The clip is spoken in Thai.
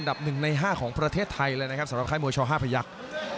อันดับหนึ่งในห้าของประเทศไทยเลยนะครับสำหรับคล้ายมัวช่อห้าพยักษ์